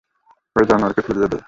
ওই জানোয়ারকে ফিরিয়ে দে।